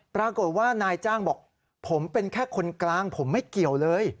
ปรากฏว่านายจ้างบอกผมเป็นแค่คนกลางผมไม่เกี่ยวเลย